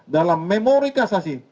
dalam memori kasasi